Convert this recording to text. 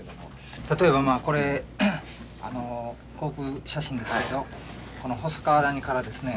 例えばまあこれ航空写真ですけどこの細川谷からですね